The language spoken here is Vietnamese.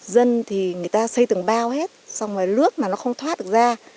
dân thì người ta xây từng bao hết xong rồi lước mà nó không thoát được ra